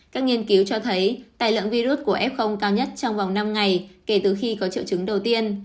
các nghiên cứu cho thấy tài lượng virus của f cao nhất trong vòng năm ngày kể từ khi có triệu chứng đầu tiên